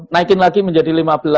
naikin lagi menjadi lima belas